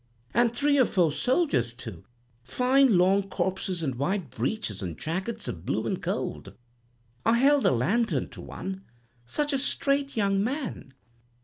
An' three or four soldiers, too—fine long corpses in white breeches and jackets of blue and gold. I held the lantern to one. Such a straight young man!'